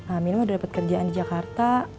amin udah dapat kerjaan di jakarta